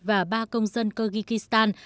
và ba công dân kyrgyzstan